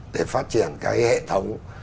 để phát triển cái hệ thống